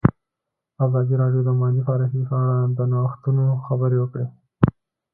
ازادي راډیو د مالي پالیسي په اړه د نوښتونو خبر ورکړی.